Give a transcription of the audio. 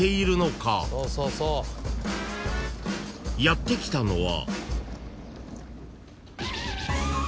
［やって来たのは］